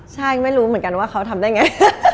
ใช่ไม่รู้เหมือนกันว่าเขาทำได้ไง